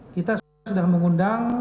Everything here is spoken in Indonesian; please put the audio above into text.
kita sudah mengundang